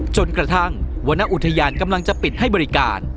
จนกระทั่งวรรณอุทยานกำลังจะปิดให้บริการ